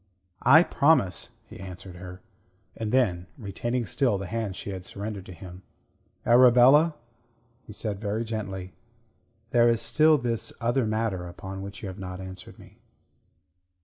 "I promise," he answered her. And then, retaining still the hand she had surrendered to him "Arabella," he said very gently, "there is still this other matter upon which you have not answered me."